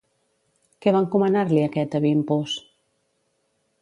Què va encomanar-li aquest a Vimpos?